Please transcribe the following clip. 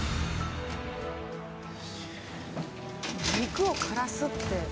肉を枯らすって。